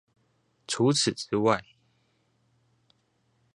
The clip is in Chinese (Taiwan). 除此之外